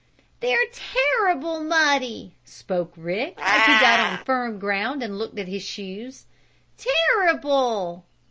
"They're terrible muddy!" spoke Rick as he got on firm ground and looked at his shoes. "Terrible!"